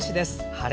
晴れ。